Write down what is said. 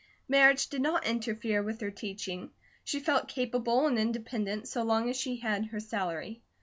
Marriage did not interfere with her teaching; she felt capable and independent so long as she had her salary.